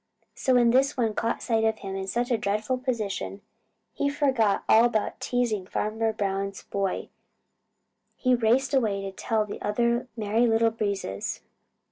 So when this one caught sight of him in such a dreadful position, he forgot all about teasing Farmer Brown's boy. He raced away to tell the other Merry Little Breezes.